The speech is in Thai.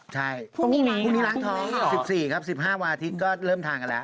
ใช่พรุ่งมีน้ำท้อง๑๔ครับ๑๕วันอาทิตย์ก็เริ่มทานกันแล้ว